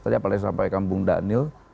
tadi apalagi sampaikan bung daniel